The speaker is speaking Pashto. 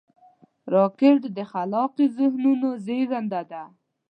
راکټ د خلاقو ذهنونو زیږنده ده